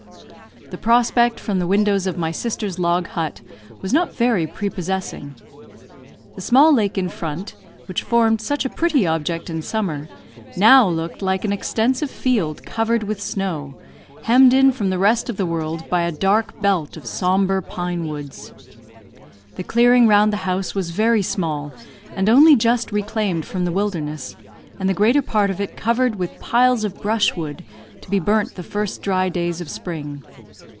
The prospect from the windows of my sister's log hut was not very prepossessing. The small lake in front, which formed such a pretty object in summer, now looked like an extensive field covered with snow, hemmed in from the rest of the world by a dark belt of sombre pine woods. The clearing round the house was very small, and only just reclaimed from the wilderness, and the greater part of it covered with piles of brushwood, to be burnt the first dry days of spring.